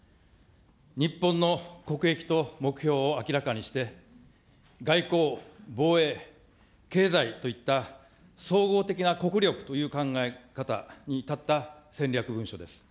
日本の国益と目標を明らかにして、外交、防衛、経済といった総合的な国力という考え方に立った戦略文書です。